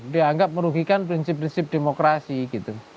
dianggap merugikan prinsip prinsip demokrasi gitu